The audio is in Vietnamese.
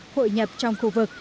hội nhập trong khu vực